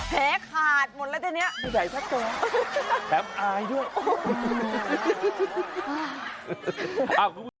แพ้ขาดหมดแล้วทีเนี้ยดูไหนทักตัวแถมอายด้วย